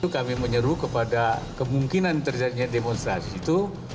kami menyeru kepada kemungkinan terjadinya demonstrasi itu